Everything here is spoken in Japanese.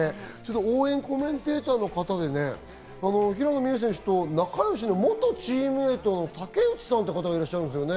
応援コメンテーターの方で、平野美宇選手と仲よしの元チームメートの竹内さんっていう方がいらっしゃいますね。